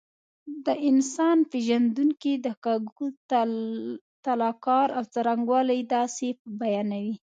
د انسان پېژندونکي د کګوتلا کار او څرنګوالی داسې بیانوي.